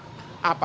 terima kasih pak